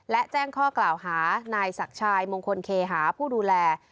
และแจ้งข้อกล่าวหานายศักดิ์ชายมงคลเคหาผู้ดูแล